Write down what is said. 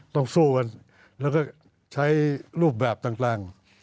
ต้องสู้กันแล้วก็ใช้รูปแบบต่าง